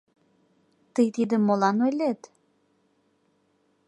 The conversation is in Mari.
Тый тидым молан ойлет?